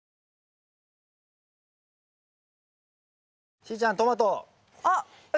しーちゃんトマト。